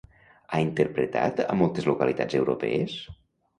Ha interpretat a moltes localitats europees?